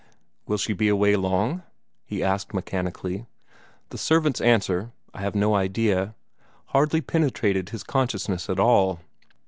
"Will she be away long?" he asked mechanically. The servant's answer, "I have no idea," hardly penetrated his consciousness at all.